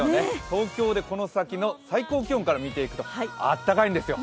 東京でこの先の最高気温から見ていくと、あったかいんですよ。